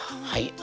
はい。